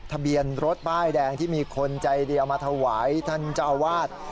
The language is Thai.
ทะเบียนรถป้ายแดงที่มีคนใจเดียวมาถวายท่านเจ้าอาวาส